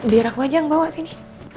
biar aku aja yang bawa sini